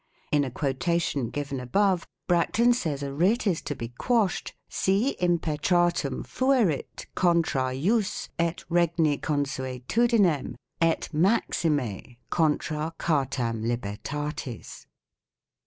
In a quotation given above, Bracton says a writ is to be quashed " si im petratum fuerit contra jus et regni consuetudinem et maxime contra chartam libertatis